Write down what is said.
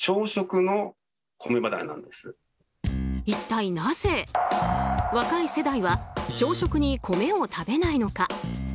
一体なぜ若い世代は朝食に米を食べないのか。